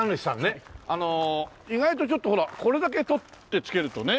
意外とちょっとほらこれだけとってつけるとね